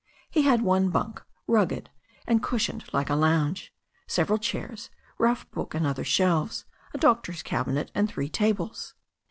He had one bunk, rugged and cushioned like a lounge, several chairs, rough book and other shelves, a doctor's cabinet, and three tables.